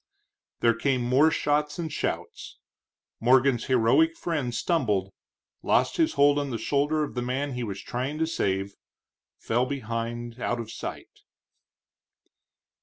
There came more shots and shouts. Morgan's heroic friend stumbled, lost his hold on the shoulder of the man he was trying to save, fell behind out of sight.